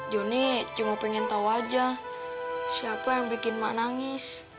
joni cuma pengen tahu aja siapa yang bikin mak nangis